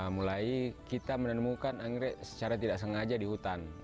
mulai kita menemukan anggrek secara tidak sengaja di hutan